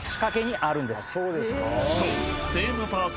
［そう］